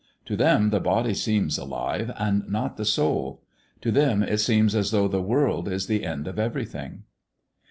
To them the body seems alive and not the soul; to them it seems as though this world is the end of everything.